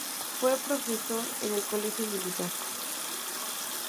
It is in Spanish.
Fue profesor en el Colegio Militar.